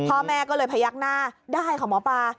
พ่อแม่ก็เลยพยักหน้าได้ค่ะหมอปลา